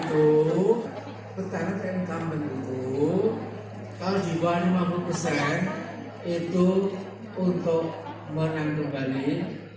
kalau jokowi itu untuk menangkembangin itu sebagai mission impossible